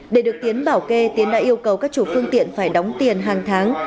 để được tiến bảo kê tiến đã yêu cầu các chủ phương tiện phải đóng tiền hàng tháng